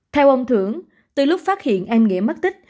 theo ông thưởng từ lúc phát hiện em nghĩa mất tích